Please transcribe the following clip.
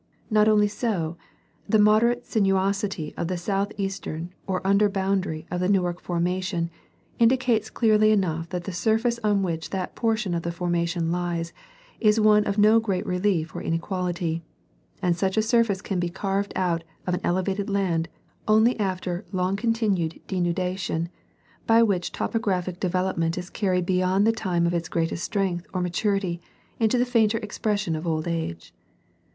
Not only so ; the moderate sinuosity of the southeastern or under boundaiy of the Newark formation indicates clearly enough that the surface on which that portion of the formation lies is one of no great relief or ineqxiality ; and 'such a surface can be carved out of an elevated land only after long continued denudation, by which topographic development is carried beyond the time of its greatest strength or maturity into the fainter expression of old age.